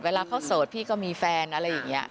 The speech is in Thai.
เวลาเขาโสดพี่ก็มีแฟนอะไรอย่างนี้